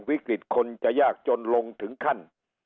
วิกฤตคนจะยากจนลงถึงขั้น